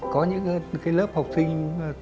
có những cái lớp học sinh